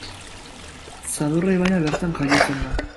Zadorra ibaia bertan jaiotzen da.